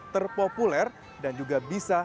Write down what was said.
terpopuler dan juga bisa